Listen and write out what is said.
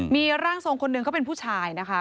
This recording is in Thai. มีร่างทรงคนหนึ่งเขาเป็นผู้ชายนะคะ